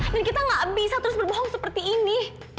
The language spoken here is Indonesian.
dan kita gak bisa terus berbohong seperti ini